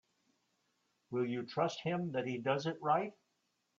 Will you trust him that he does it right?